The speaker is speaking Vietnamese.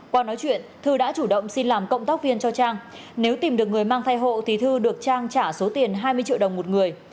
qua nói chuyện thư đã chủ động xin làm cộng tác viên cho trang nếu tìm được người mang thai hộ thì thư được trang trả số tiền hai mươi triệu đồng một người